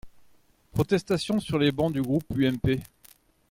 Protestations sur les bancs du groupe UMP.